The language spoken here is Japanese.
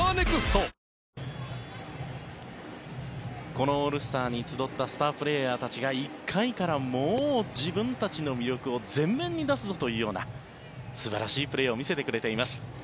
このオールスターに集ったスタープレーヤーたちが１回からもう自分たちの魅力を前面に出すぞというような素晴らしいプレーを見せてくれています。